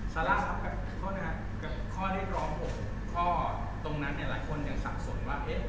สาราข้อเรียกร้อง๖ข้อตรงนั้นหลายคนอย่างสักส่วนว่า